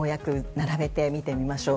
並べて見てみましょう。